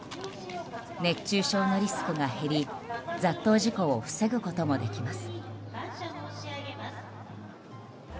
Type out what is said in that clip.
熱中症のリスクが減り雑踏事故を防ぐこともできます。